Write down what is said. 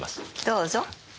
どうぞ。